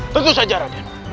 tentu saja rakyat